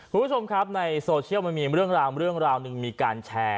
คุณผู้ชมครับในโซเชียลมันมีเรื่องราวเรื่องราวหนึ่งมีการแชร์